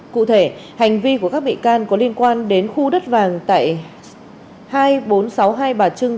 cụ thể hành vi của các bị can có liên quan đến khu đất vàng tại hai nghìn bốn trăm sáu mươi hai bà trưng